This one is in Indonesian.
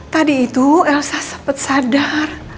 tadi itu elsa sempat sadar